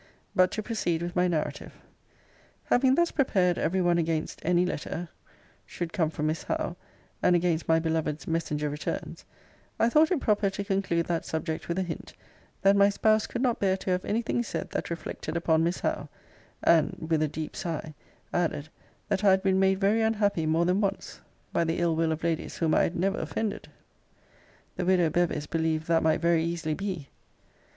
But to proceed with my narrative: Having thus prepared every one against any letter should come from Miss Howe, and against my beloved's messenger returns, I thought it proper to conclude that subject with a hint, that my spouse could not bear to have any thing said that reflected upon Miss Howe; and, with a deep sigh, added, that I had been made very unhappy more than once by the ill will of ladies whom I had never offended. The widow Bevis believed that might very easily be.